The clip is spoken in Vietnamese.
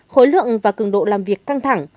khối lượng và cường độ làm việc căng thẳng